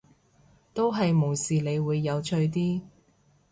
都係無視你會有趣啲